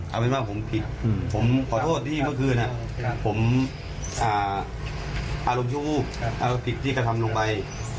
เอาเป็นว่าผมผิดผมขอโทษที่เมื่อคืนผมอารมณ์ชั่ววูบผิดที่กระทำลงไป